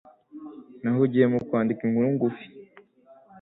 Nahugiye mu kwandika inkuru ngufi.